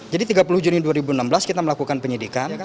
jadi tiga puluh juni dua ribu enam belas kita melakukan penyidikan